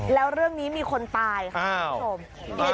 แล้วเรื่องนี้มีคนตายค่ะคุณผู้ชม